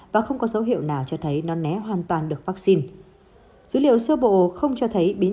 và không có dấu hiệu nào cho thấy nó né hoàn toàn được vaccine dữ liệu sơ bộ không cho thấy biến